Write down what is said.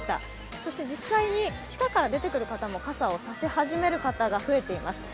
そして実際に地下から出てくる方も傘を差し始める方が増えています。